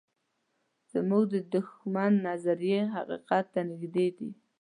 زموږ د دښمن نظریې حقیقت ته نږدې دي.